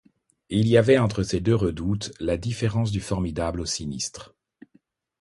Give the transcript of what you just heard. Il y avait entre ces deux redoutes la différence du formidable au sinistre.